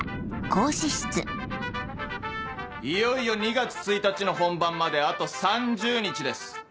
いよいよ２月１日の本番まであと３０日です。